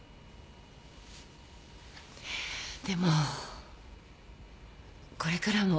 でもこれからも。